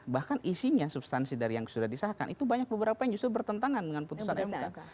bahkan isinya substansi dari yang sudah disahkan itu banyak beberapa yang justru bertentangan dengan putusan mk